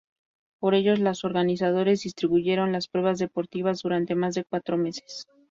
Por ello los organizadores distribuyeron las pruebas deportivas durante más de cuatro meses.